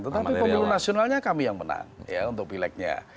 tetapi pemilu nasionalnya kami yang menang ya untuk pileknya